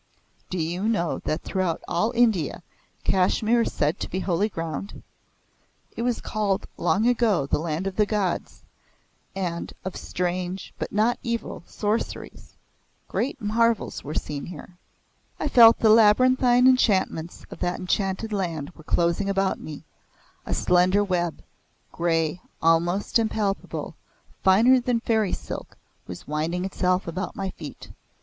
Do you know that throughout all India Kashmir is said to be holy ground? It was called long ago the land of the gods, and of strange, but not evil, sorceries. Great marvels were seen here." I felt the labyrinthine enchantments of that enchanted land were closing about me a slender web, grey, almost impalpable, finer than fairy silk, was winding itself about my feet.